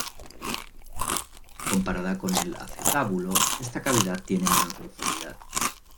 Comparada con el acetábulo esta cavidad tiene menor profundidad.